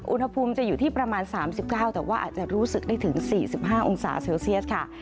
อุณหภูมิจะอยู่ที่ประมาณ๓๙แต่ว่าอาจจะรู้สึกได้ถึง๔๕องศาเซลเซียสค่ะ